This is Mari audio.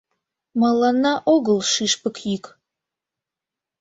Мыланна огыл шӱшпык йӱк.